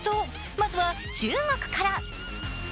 まずは中国から。